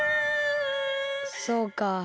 そうか。